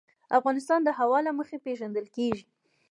افغانستان د هوا له مخې پېژندل کېږي.